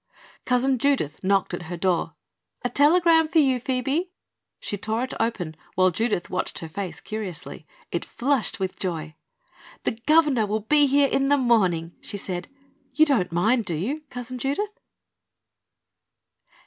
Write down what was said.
Cousin Judith knocked at her door. "A telegram for you, Phoebe." She tore it open, while Judith watched her face curiously. It flushed with joy. "The governor will be here in the morning," she said. "You don't mind, do you, Cousin Judith?"